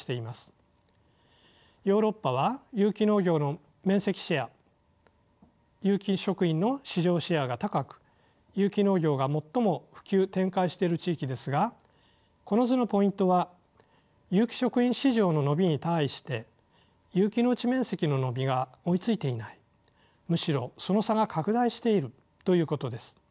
ヨーロッパは有機農業の面積シェア有機食品の市場シェアが高く有機農業が最も普及展開している地域ですがこの図のポイントは有機食品市場の伸びに対して有機農地面積の伸びが追いついていないむしろその差が拡大しているということです。